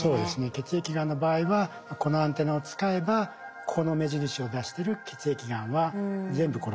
血液がんの場合はこのアンテナを使えばこの目印を出してる血液がんは全部殺せますよ。